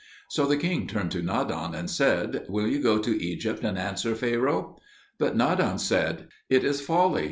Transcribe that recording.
So the king turned to Nadan and said, "Will you go to Egypt and answer Pharaoh?" But Nadan said, "It is folly!